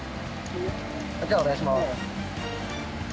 じゃあお願いします。